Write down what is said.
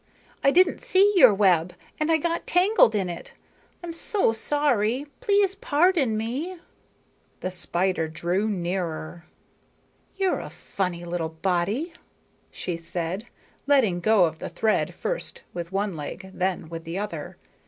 "I didn't see your web and I got tangled in it. I'm so sorry. Please pardon me." The spider drew nearer. "You're a funny little body," she said, letting go of the thread first with one leg, then with the other.